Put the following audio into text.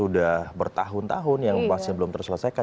dari malino cnn indonesia